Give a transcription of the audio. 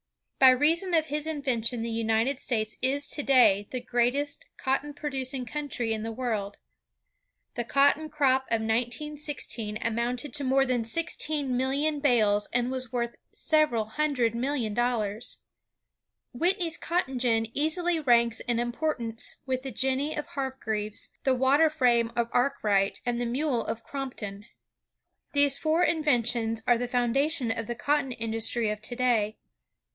By reason of his invention, the United States is to day the greatest cotton produdng country in the world. The cotton crop of 1916 amounted to more than lo6 INVENTIONS OF MANUFACTURE AND PROOUCTKW sixteen millioQ bales and was worth several hundred million dollars. Whitney's cotton gin easily ranks in importance with the jenny of Har greaves, the water frame of Ark wright, and the mule of Crompton. These four inven tions are the foundation of the cotton industry of to day.